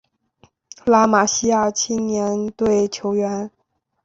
拉玛西亚青年队球员